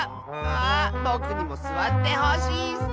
ああぼくにもすわってほしいッス。